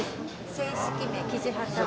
正式名キジハタ。